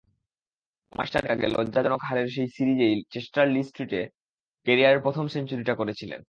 মাস চারেক আগে লজ্জাজনক হারের সেই সিরিজেই চেস্টার-লি-স্ট্রিটে ক্যারিয়ারের প্রথম সেঞ্চুরিটা করেছিলেন।